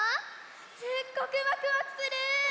すっごくワクワクする！